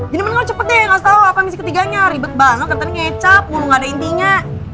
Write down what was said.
jadi mending lo cepet deh gak tau apa misi ketiganya ribet banget kan tadi kecap lo gak ada intinya